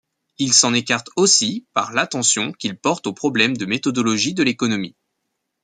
Il s'en écarte aussi par l'attention qu'il porte aux problèmes de méthodologie de l'économie.